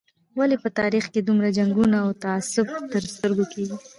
ولې په تاریخ کې دومره جنګونه او تعصب تر سترګو کېږي.